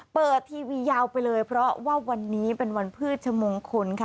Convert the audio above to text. เปิดทีวียาวไปเลยเพราะว่าวันนี้เป็นวันพืชมงคลค่ะ